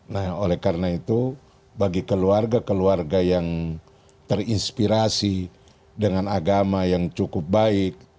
nah oleh karena itu bagi keluarga keluarga yang terinspirasi dengan agama yang cukup baik